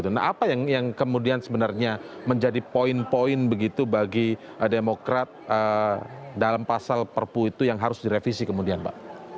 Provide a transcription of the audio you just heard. nah apa yang kemudian sebenarnya menjadi poin poin begitu bagi demokrat dalam pasal perpu itu yang harus direvisi kemudian pak